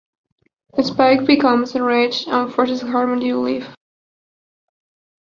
Spike becomes enraged and forces Harmony to leave.